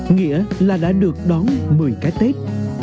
nghĩa là đã được đón một mươi cái tết